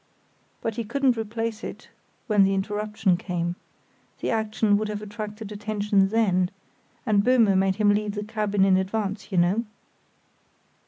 But he couldn't replace it when the interruption came. The action would have attracted attention then, and Böhme made him leave the cabin in advance, you know."